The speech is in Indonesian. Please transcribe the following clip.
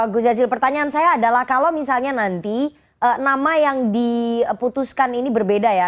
gus jazil pertanyaan saya adalah kalau misalnya nanti nama yang diputuskan ini berbeda ya